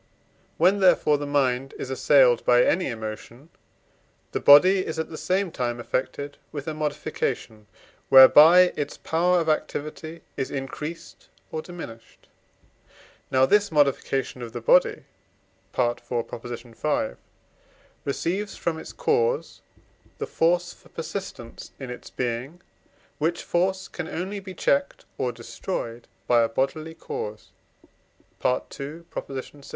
When, therefore, the mind is assailed by any emotion, the body is at the same time affected with a modification whereby its power of activity is increased or diminished. Now this modification of the body (IV. v.) receives from its cause the force for persistence in its being; which force can only be checked or destroyed by a bodily cause (II. vi.)